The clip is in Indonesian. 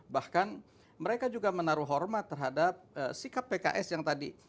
bahkan mereka juga menaruh hormat terhadap sikap pks yang tadi